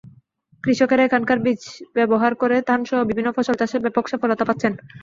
কৃষকেরা এখানকার বীজ ব্যবহার করে ধানসহ বিভিন্ন ফসল চাষে ব্যাপক সফলতা পাচ্ছেন।